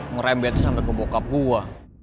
ngerembetnya sampe ke bokap gue